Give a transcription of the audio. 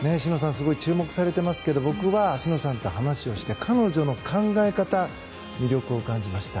すごい注目されていますが僕は、話をして彼女の考え方に魅力を感じました。